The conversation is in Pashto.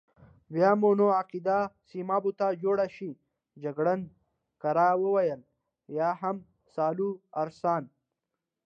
بیا مو نو عقیده سیمابو ته جوړه شي، جګړن کرار وویل: یا هم سالوارسان.